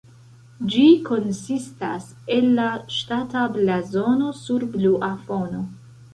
Ĝi konsistas el la ŝtata blazono sur blua fono.